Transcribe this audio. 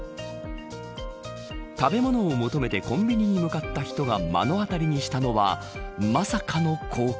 食べ物を求めてコンビニに向かった人が目の当りにしたのはまさかの光景。